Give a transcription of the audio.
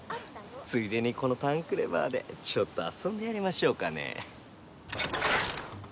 ついでにこのタンクレバーでちょっとあそんでやりましょうかねえ。